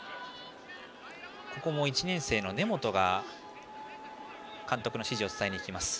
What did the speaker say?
ここも１年生の根本が監督の指示を伝えにいきます。